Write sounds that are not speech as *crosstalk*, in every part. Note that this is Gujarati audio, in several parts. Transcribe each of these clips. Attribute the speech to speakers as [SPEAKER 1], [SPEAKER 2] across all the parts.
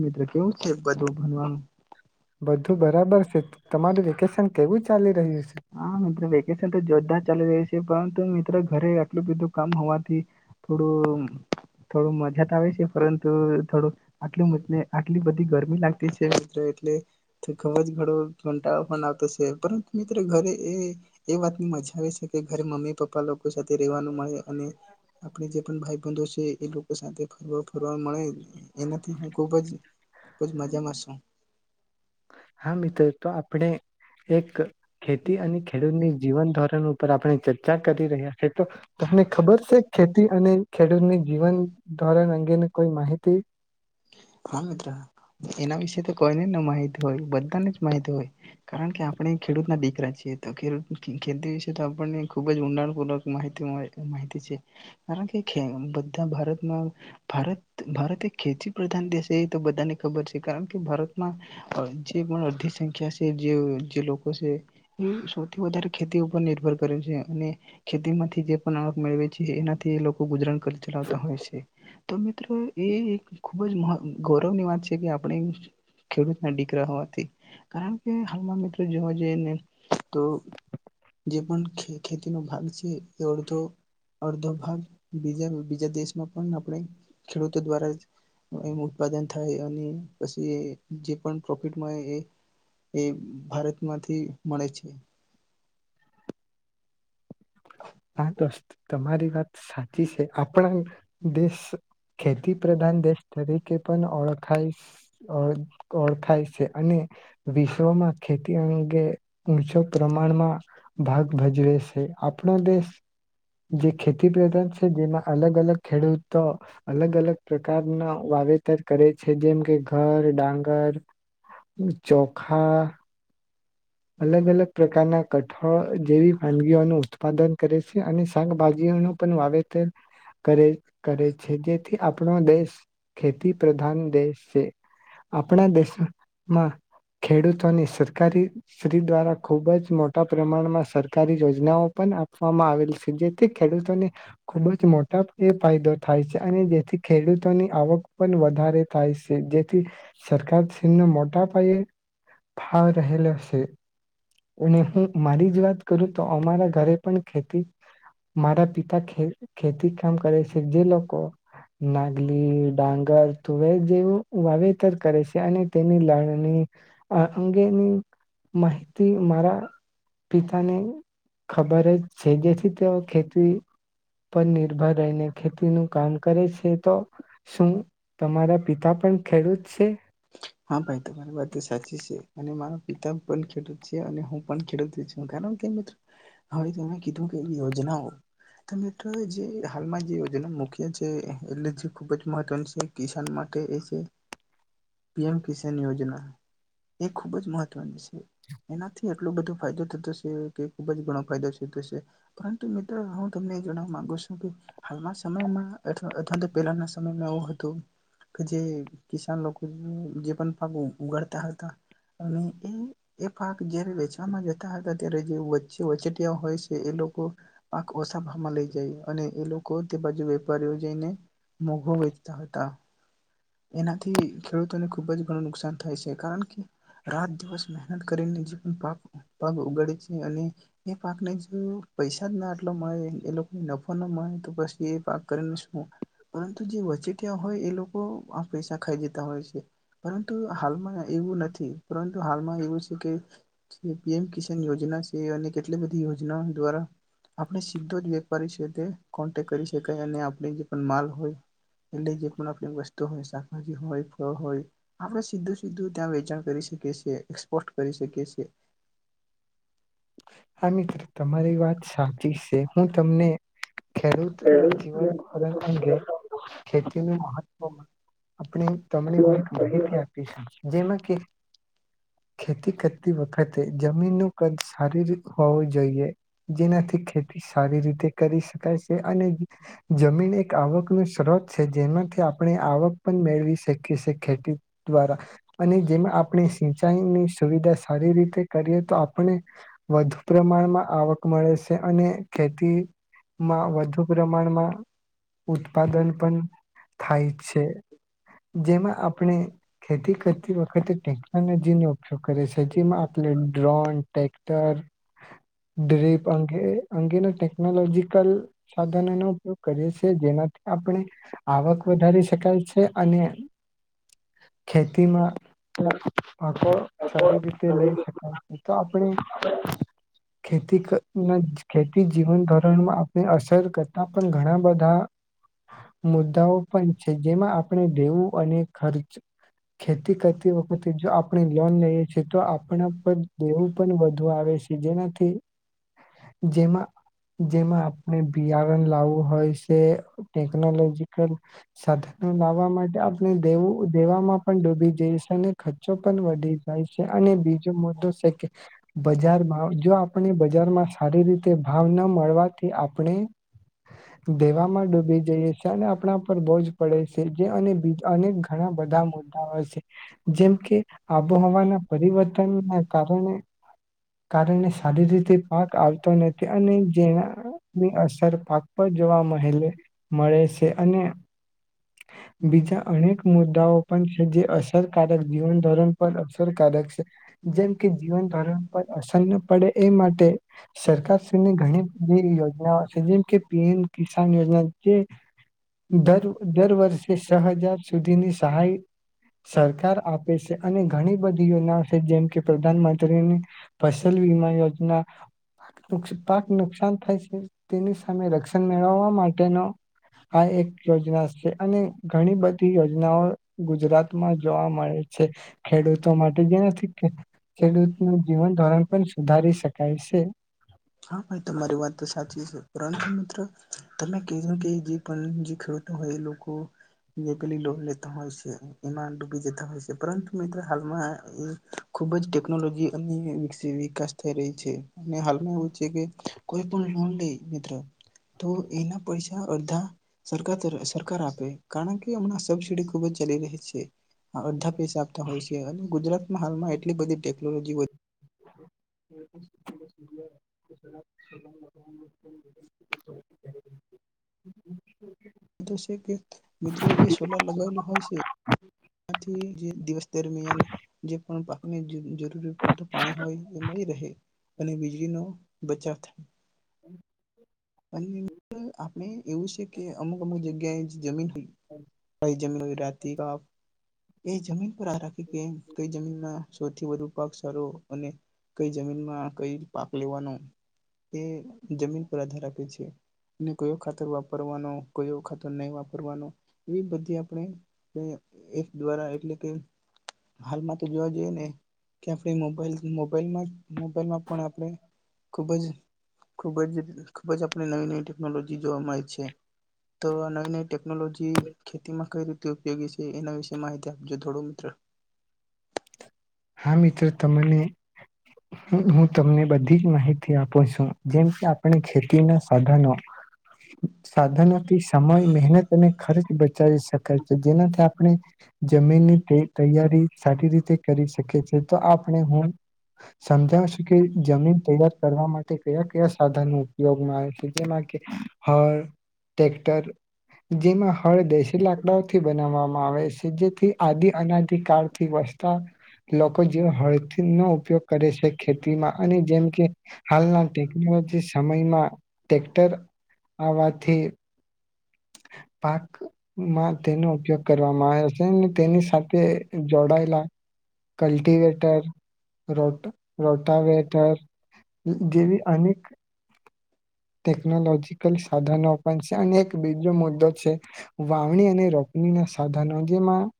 [SPEAKER 1] મિત્ર કેવું છે. બધું ભણવાનું
[SPEAKER 2] ચાલી રહૃયું.
[SPEAKER 1] હા મિત્ર વેકેેશન તો જોરદાર ચાલી રહી છે. પરંતુ મિત્રો ઘરે આટલું બધું કામ હોવાથી થોડું થોડું મઝા તોઆવે છે. પરંતુ થોડું આટલું *unintelligible* આટલી બધી ગરમી લાગતી છે. દે તો ખબ જ ઘડવ કંટાળો પણ આવતો છે. પરંતુ ઘરે એ એ વાત ની મજા આવે છે. તે ઘરે મમી પપા લોકો સાથે રેવાનું મળે અને આપણે જે પણ ભાઈ બંધો છે. એ લોકો સા. ફરવા ફરવા મળે એનાથી હું ખુબ જ. ખૂબ જ મજામાંું.
[SPEAKER 2] હા મિત્ર તો આપણે એક. ખેતી અને ખેડૂતની જીવન ધોરણ ઉપર આપણે ચર્ચા કરી રહ્યા છે તો તમને ખબર છે ખેતી અને ખેડૂતની જીવન ધોરણ અંગેની કોઈ માહિતી.
[SPEAKER 1] ને માહિતી હોય બધા ને જ માહિતી હોય. કારણ કે આપણી. દીકરા છે તો ખૂ ખેતી વિશે તો આપણને ખુબ જ ઊંડાણપૂર્વક માહી માહિતી છે કારણ કે બધા ભારતમાંારત ભારત ખેતી. પ્રધાન દસે એ તો બધાને. ખબર છે કારણ કે ભારતમાં. જે પણ અડધી સંખ્યા છે. જે જે લોકો. ખુશી. એ સૌથી વધારે ખેતી ઉપર નિર્ભર કરે છે અને ખેતી માંથી જે પણ આવક મેળવે છે એનાથી એ લોકો ગુજરાન કરી ચલાવતા હોય છે. તો મિત્રો એ એક. ખુબ જ ગૌરવની વાત છે કે આપણે ખેડૂતના દીકરા હોવાથી. કારણ કે હાલમાં મિત્રો જોવા જએ. જે. તો જે પણ ખેતીનો ભાગ છે એ અડધો અડધો ભાગ બીજા બીજા દેશમાં પણ આપણે ખેડૂતો દ્વારા એમ ઉત્પાદન થાય અને. પછી એ જે પણ પ્રોફિટમાં એ. એ ભારત. માંથી મળે છે.
[SPEAKER 2] હા દસ્ત તમારી વાત સાચી છે આપણા દેશ ખેતી પ્રધાન દેશ તરીકે પણ ઓળખાય ઓળખાય. છે અને. વિશ્વમાં ખેતી અને. ંચો પ્રમાણમાં ભાગ ભજવે છે આપણો દેશ. જે ખેતી. ખ પ્રજન છે જેમાં અલગ અલગ ખેડૂત. તો અલગ અલગ પ્રકારના વાવેતર કરે છે જેમ કે ઘર ડાંગર ચોખા. અલગ અલગ પ્રકારના કઠોળ જેવી વાનગીઓનું ઉત્પાદન કરે છે અને શાકભાજીઓનું પણ વાવેતર કરે કરે છે જેથી આપણો દેશ ખેતી પ્રધાન દેશ છે આપણા દેશોમાં. ખેડૂતોની સરકારી. દ્વારા ખૂબ જ મોટા પ્રમાણમાં સરકારી યોજનાઓ પણ આપવામાં આવેલ છે જેથી ખેડૂતોને ખૂબ જ મોટા પાયે ફાયદો થાય છે અને જેથી ખેડૂતોની આવક પણ વધારે થાય છે જેથી સરકાર મોટા પાયે. ભાવ રહેલ. અને હું મારી જ વાત કરું તો અમારા ઘરે પણ ખેતી મારા પિતા ખેતી કામ કરે છે જે લોકો નાગલી ડાંગર તુવેર જેવું વાવેતર કરે છે અને તેની લણણી અંગેની. માહિતી મારા પિતાને ખબર જ છે જેથી તેઓ ખેતી પર નિર્ભર રહીને ખેતીનું કામ કરે છે તો શું તમારા પિતા પણ ખેડૂત છે.
[SPEAKER 1] હા ભાઈ તમારી વાત તો સાચી છે અને માર પિતા પણ ખેડૂત છે અને હું પણ ખેડૂત છું કારણ કે મિત્ર હવે તમે કીધું કેવી યોજનાઓ મિત્રો જે હાલમાં જે યોજના મુૂખ્ય છે એલેધ ખૂબ જ મહત્વની છે કિસાન માટે એ છે. પીએમ કિસાન યોજના એ ખૂબ જ મહત્વની છે. એનાથી એટલો બધો ફાયદો થતો છે. ખુબ જ ઘણો ફાયદો છે થશે પરંતુ મિત્રો હું તમને જણવા માંગુ છું કે હાલમાં સમયમાં અથવા તો પહેલાના સમયમાં એવું હત તો કે જે કિસાન લોકો જે પણ પગ ઉગડતા હતા. અને એ એ પાક જયારે વેચવામાં જતા હતા. અત્યારે જે વચ્ચે વચ્ચેટીયા હોય છે એ લોકો પાક ઓછા ભામાં લઈ જાય અને એ લોકો તે બાજુ વેપારીઓ જઈને મોઘુ વચતા હો હતા. એનાથી ખેડૂતોને ખુબ જ ઘણું નુકસાન થઈ કારણ કે રાત દિવસ મહેનત કરીને જે પા પાગ ઉગાડે છે અને એ પાકને જો પૈસા જ ના આટલો મળે એ લોકોને નફો ના મળે તો બસ એ પાક કરેલું સે ને, પરંતુ જે વચ્ચેથી આ હોય એ લોકો અહ પૈસા ખાઈ જતા હોય છે. પરંતુ હાલમાં એવું નથી, પરંતુ હાલમાં એવું છે કે જે જેમ કિસાન યોજના સે અને કેટલી બધી યોજનાઓને દ્વારા આપણે સીધો જ વેપારી છે કે કોન્ટેક કરી શકાય અને આપણે જે પણ માલ હોય એટલે કે આપણે *unintelligible* *unintelligible* નો હોય, આપણે સીધું-સીધું ત્યાં વેચાણ કરી શકીએ સીએ, એક્સપોર્ટ કરી શકીએ સીએ.
[SPEAKER 2] હા મિત્ર તમારી વાત સાચી છે. હું તમને ખેડૂત અને જીવન ઉત્પાદન અંગે ખેતીનું મહત ત આપણી *unintelligible* આપી સે, જેમાં કે ખેતી કરતી વખતે જમીન નું કદ હારીરિક હોવી જોઈએ. જેનાથી ખેતી સારી રીતે કરી શકાય છે, અને જમીન એક આવક નો સ્ત્રોત છે જેનાથી આ આવક પણ મેળવી શકીએ સીએ ખેતી દ્વારા, અને જેમાં આપણે સિંચાઈની સુવિધા સારી રીતે કરીએ તો આપણે વધુ પ્રમાણમાં આવક મળે છે. અને ખેતીમાં વધુ પ્રમાણમાં ઉત્પાદન પન થાય છે. જેમાં આપણે ખેતી કરતી વખતે ટેકનોલોજીનો ઉપયોગ કરે છે. જેમાં આપણે ડ્રોન ટેક ધાર ડ્રીપ અંગે અંગેના ટેકનોલોજીકલ સાધનોનો ઉપયોગ કરીએ છીએ. જેનાથી આપણે આવક વધારી શકાય છે. અને ખેતીમાં પાકો *inaudible* સારી રીતે લઈ શકાય છે તો આપણે ખેતી ખર્ચ કે ખેતી જીવન ધોરણમાં આપને અસર કરતા પણ ઘણા બધા મુદ્દાઓ પન છે. જેમાં આપણે દેવું અને ખર્ચ ખેતી કરતી વખતે જો આપણે લોન લઈએ છીએ. તો આપણા પર દેવું પણ વ ધવા આવે છે. જેનાથી જેમાં જેમાં આપણે બિયારણ લાવવું હોય છે. ટેકનોલોજીકલ સાધનો લાવવા માટે આપણે દેવું દેવામાં પણ ડૂબી જઈ છે. અને ખર્ચો પણ વધી જાય છે. અને બીજો મુદ્દો છે, કે બજારમાંવ જો આપણે બજારમાં સારી રીતે ભાવ ન મળવાથી આપણે દેવામાં ડૂબી જઈએ છે. અને આપણા પર બોજ પડે છે. જે અને બીજ ઘણા બધા મુદ્દાઓ હોય છે. જેમ કે આબોહવાના પરિવર્તન ના કારણે કારણે સારી રીતે પાક આવતો નથી. અને જેનાની અસર પાક પર જોવા મલે-મળે છે. અને બીજા અનેક મુદ્દાઓ પણ છે. જે અસરકારક જીવન ધોરણ પર અસરકારક છે. જેમ કે જીવન ધરણ પર અસર ન પડે. એ માટે સરકારની ઘણી બધી યોજનાઓ છે. જેમ કે પી એમ કિસાન યોજના જે દર દર વર્ષે છ હજાર સુધીની સહાય સરકાર આપે છે. અને ઘણી બધી યોજનાઓ છે. જેમ કે, પ્રધાનમં પત્રીની ફસલ વીમા યોજના પુક્ષ પાટ નુકસાન થાય છે. તેની સામે રક્ષણ મેળવવા માટેનો આ એક યોજના છે. અને ઘણી બધી યોજનાઓ ગુજરાતમાં જોવા મળે છે. ખેડૂતો માટે જેનાથી ખે
[SPEAKER 1] *inaudible* હા ભાઈ તમારી વાત તો સાચી છે. ત્રણેક મિત્ર તમે કેધું કે જે પણ હ જ ખેડુતનું હોય એ લોકો જે પેલી લોહ લેતા હોય શે. અ એમાં ડુબી જવુ. તમે છે. પરંતુ, મિત્ર હાલમાં ખૂબ જ ટેકનોલોજી અને *inaudible* વિકાશ થઈ રહી છે. ને હાલમાં એવું છે. કે કોઈ પણ લોન લેય મિત્ર તો એના પર સા એના અળધા સરકાર તર સરકાર આપે. કારણ કે હમણાં સબસીડી ખુબ જ ચલી રહી છે. અડધા પૈસા આપતા હોય છે. અને ગુજરાતમાં હાલમાં એટલી બધી ટેકનોલોજી હોય. છે કે મિત્રો જે સોલાર લગાવેલું હોય છે તેથી જે દિવસ દરમિયાન જે પણ પાકને જરૂરી પું પાણી હોય એ મળી રહે અને વીજળીનો બચાવ થાય.
[SPEAKER 2] હમ.
[SPEAKER 1] ર આપણે એવું છે કે અમુક અમુક જગ્યાએ જમીન હોય જમીન હોય રાતી કપ. એ જમીન પર આ રાખી કે કઈ જમીનમાં સૌથી વધુ પાક સારો અને કઈ જમીનમાં કઈ પાક લીવાનું. એ જમીન પર આધાર રાખ ને કયો ખાતર વાપરવાનો કોઈ ખાતર નહી વાપરવાનો. એ બધી આપણે એ દ્વારા એટલે કે હાલમાં તો જોવા જઈએ ને કે આપણે મોબાઈલ મોબાઈલમાં મોબાઈલમાં પણ આપણે ખૂબ જ ખૂબ જ ખૂબ જ આપણે નવી નવી ટેકનોલોજી જોવા મળે છે તો આ નવી નવી ટેકનોલોજી ખેતીમાં કઈ રીતે ઉપયોગી એના વિશે માહિતી આપજો થોડું મિત્ર.
[SPEAKER 2] હા મિત્ર તમને હું તમને બધી જ માહિતી આપું છું જેમ કે આપણે ખે ના સાધનો સાધનોથી સમય મહેનત અને ખર્ચ બચાવી શકાય છે જેનાથી આપણે જમીનની તૈયારી સારી રીતે કરી. તો આપણે હું સમજાવશું કે જમીન તૈયાર કરવા માટે કયા કયા સાધનો યોગમાં આવે છે જેમાં કે હળ ટ્રેક્ટર જેમાં હળ દેશી લાકડાઓથી બનાવવામાં આવે છે જેથી આદિ અનાદિ કાળથી વસતા લોકો જેવ હળથી નો ઉપયોગ કરે છે ખેતીમાં અને જેમ કે હાલના ટેકનોલોજી સમયમાં ટેક્ટર આવવાથી પાકમાં તેનો ઉપયોગ કરવામાં આવે છે તેની સાથે જોડાયેલા કલ્ટિવેટર રોટ રોટાવટર જેવી અનેક ટેકનોલોજીકલ સાધનો પણ છે અને બીજો મુદ્દો છે વાવણી અને રોપણીના સાધનો જેમાં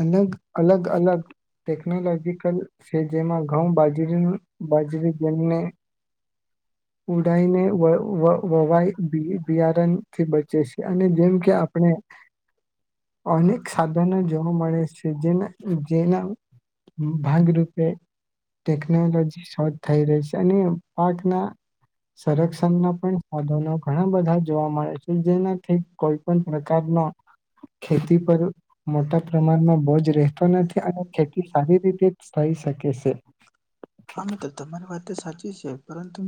[SPEAKER 2] અલગ અલગ અલગ ટેકનોલોજીકલ છે જેમાં ઘઉં બાજરી બાજરી જેમને ઉડાઈને વવાઈ બિયારણ થી બચે છે અને જેમ કે આપણે અનેક સાધનો જોવા મળે છે જેના જેના ભાગરૂપે ટેકનોલોજી સોવ થઈ ર છે અને પાકના સંરક્ષણ ના પણ સાધનો ઘણા બધા જોવા મળે છે. જેનાથી કોઈ પણ પ્રકારનો ખેતી પર મોટા પ્રમાણનો બોજ રહેતો નથી અને ખેતી સારી રીતે થઈ શકે છે.
[SPEAKER 1] છે પરંતુ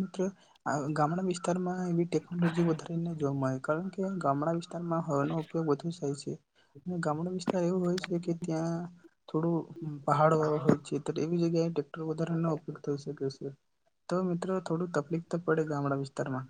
[SPEAKER 1] ગામડા વિસ્તારમાં ટેકનોલોજી વધારીને જોવા મળે કારણ કે ગામડા વિસ્તારમાં હવાનો ઉપયોગ વધુ થાય છે અને ગામડા વિસ્તાર એવો હોય છે કે ત્યાં થોડું પહાડો હોય છે એવી જગ્યાએ ઉપગ થકે છે તો મિત્રો થોડું લીખતા પડે તો હમણા વિસ્તારમાં